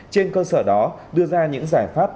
trên cơ sở đó đưa ra những giải pháp